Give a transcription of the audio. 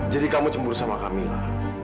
jadi kamu cemburu sama kamila